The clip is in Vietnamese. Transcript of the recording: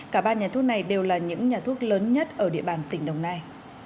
cả ba nhà thuốc này đều là những nhà thuốc lớn nhất ở địa bàn tỉnh đồng nai